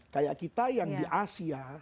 kayak kita yang di asia